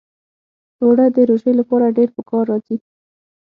اوړه د روژې لپاره ډېر پکار راځي